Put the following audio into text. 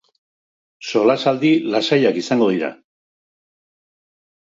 Solasaldi lasaiak izango dira.